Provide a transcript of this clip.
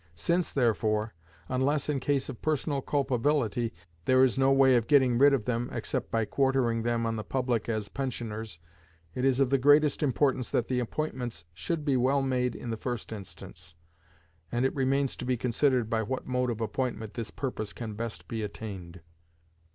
Since, therefore, unless in case of personal culpability, there is no way of getting rid of them except by quartering them on the public as pensioners, it is of the greatest importance that the appointments should be well made in the first instance; and it remains to be considered by what mode of appointment this purpose can best be attained.